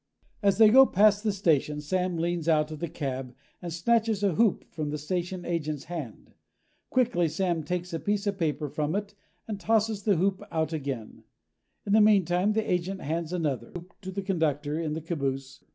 As they go past the station, Sam leans out of the cab and snatches a hoop from the station agent's hand. Quickly Sam takes a piece of paper from it and tosses the hoop out again. In the meantime the agent hands another hoop to the conductor in the caboose.